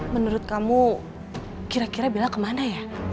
menurut kamu kira kira bila kemana ya